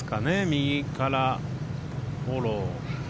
右からフォロー。